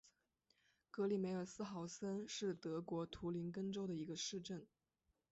格里梅尔斯豪森是德国图林根州的一个市镇。